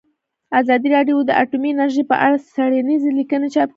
ازادي راډیو د اټومي انرژي په اړه څېړنیزې لیکنې چاپ کړي.